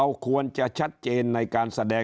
ตัวเลขการแพร่กระจายในต่างจังหวัดมีอัตราที่สูงขึ้น